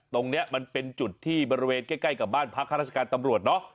ตรงนี้มันเป็นจุดที่บริเวณใกล้กับบ้านพักข้าราชการตำรวจเนาะ